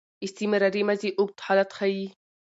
استمراري ماضي اوږد حالت ښيي.